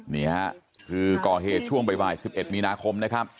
นี่ฮะคือก่อเหตุช่วงบ่าย๑๑มีนาคมนะครับ